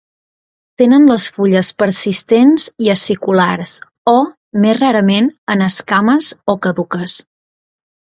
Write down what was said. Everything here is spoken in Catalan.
Tenen les fulles persistents i aciculars o, més rarament en esquames o caduques.